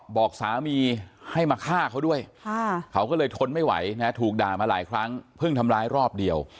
บอกสามีให้มาฆ่าเขาด้วยเขาก็เลยทนไม่ไหวนะถูกด่ามาหลายครั้งเพิ่งทำร้ายรอบเดียว